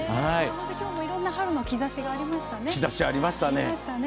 きょうもいろんな「春の兆し」がありましたね。